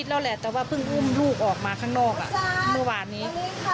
แล้วแหละแต่ว่าเพิ่งอุ้มลูกออกมาข้างนอกเมื่อวานนี้